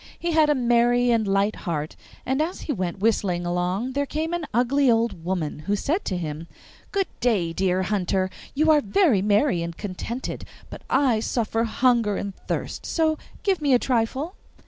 He had a merry and light heart, and as he went whistling along there came an ugly old woman, who said to him, 'Good day, dear hunter! You are very merry and contented, but I suffer hunger and thirst, so give me a trifle.